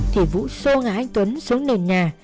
thì vũ xô ngã anh tuấn xuống nền nhà